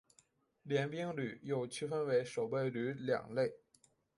联兵旅又区分为守备旅两类。